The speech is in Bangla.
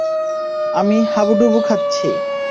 আমি হাবুডুবু খাচ্ছি।